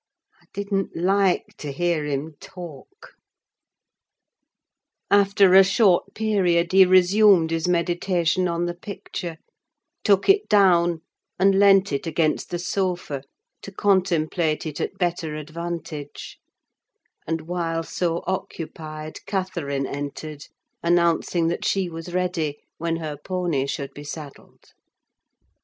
I didn't like to hear him talk! After a short period he resumed his meditation on the picture, took it down and leant it against the sofa to contemplate it at better advantage; and while so occupied Catherine entered, announcing that she was ready, when her pony should be saddled.